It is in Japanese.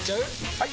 ・はい！